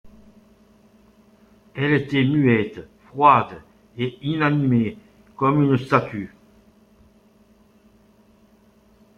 Elle était muette, froide et inanimée comme une statue.